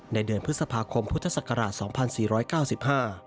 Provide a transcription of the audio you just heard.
ในเดือนพฤษภาคมพุทธศักราชสองพันสี่ร้อยเก้าสิบห้า